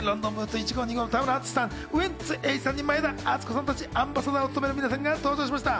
ロンドンブーツ１号２号の田村淳さん、ウエンツ瑛士さん、前田敦子さん達、アンバサダーを務める皆さんが登場しました。